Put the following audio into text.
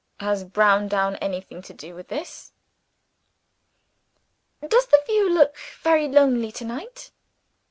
"Has Browndown anything to do with this?" "Does the view look very lonely to night?"